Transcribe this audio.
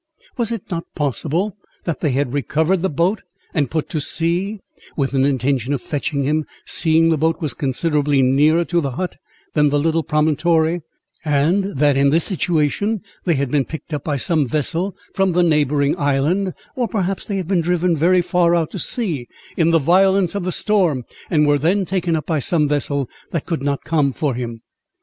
"Was it not possible that they had recovered the boat, and put to sea, with an intention of fetching him, seeing the boat was considerably nearer to the hut than the little promontory; and that in this situation they had been picked up by some vessel from the neighbouring island: or perhaps they had been driven very far out to sea, in the violence of the storm, and were then taken up by some vessel that could not come for him?"